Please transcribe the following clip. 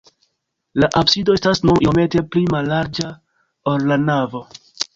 La absido estas nur iomete pli mallarĝa, ol la navo.